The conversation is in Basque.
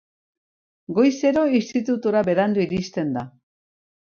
Goizero institutura berandu iristen da.